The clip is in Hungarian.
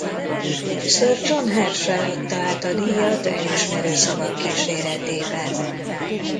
Sir John Herschel adta át a díjat elismerő szavak kíséretében.